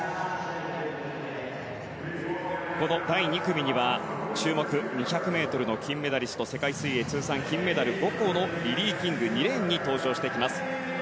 この第２組には注目、２００ｍの金メダリスト世界水泳通算金メダル５個のリリー・キング２レーンに登場してきます。